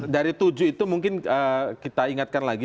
dari tujuh itu mungkin kita ingatkan lagi